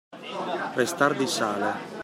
Restare di sale.